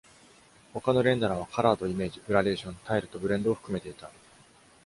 他のレンダラーはカラーとイメージ、グラデーション、タイルとブレンドを含めていた。